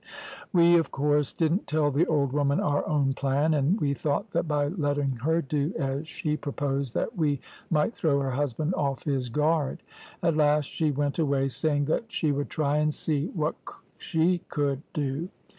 We of course didn't tell the old woman our own plan, and we thought that by letting her do as she proposed that we might throw her husband off his guard. At last she went away, saying that she would try and see what she could do.